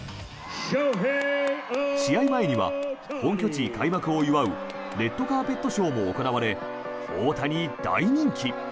試合前には本拠地開幕を祝うレッドカーペットショーも行われ大谷、大人気。